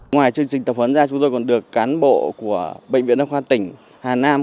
ngoài chương trình tập huấn ra chúng tôi còn được cán bộ của bệnh viện đa khoa tỉnh hà nam